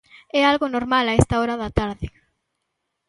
É algo normal a esta hora da tarde.